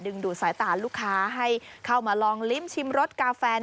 ดูดสายตาลูกค้าให้เข้ามาลองลิ้มชิมรสกาแฟ